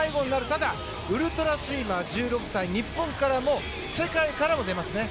ただウルトラスイマー１６歳日本からも世界からも出ますね。